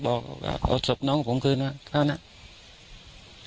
บอกเอาศพน้องผมคืนมาก็นั่ก